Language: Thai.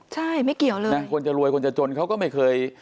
ใช่ไม่เกี่ยวเลย